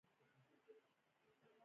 فیوډالانو د ځمکو لویه برخه ځان ته ساتله.